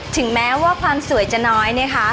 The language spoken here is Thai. ถึงแม้ว่าความสวยจะน้อยนะคะ